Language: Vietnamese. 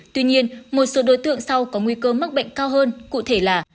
tuy nhiên một số đối tượng sau có nguy cơ mắc bệnh cao hơn cụ thể là